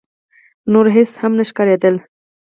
نور هيڅ هم نه ښکارېدل.